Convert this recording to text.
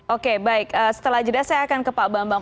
oke baik setelah jeda saya akan ke pak bambang